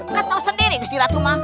kan tau sendiri gusti ratu ma